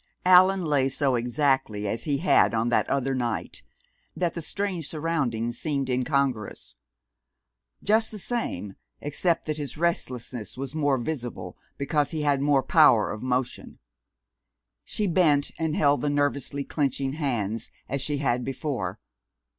Allan lay so exactly as he had on that other night, that the strange surroundings seemed incongruous. Just the same, except that his restlessness was more visible, because he had more power of motion. She bent and held the nervously clenching hands, as she had before.